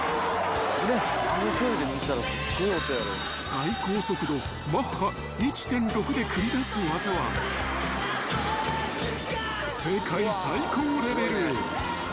［最高速度マッハ１．６で繰り出す技は世界最高レベル］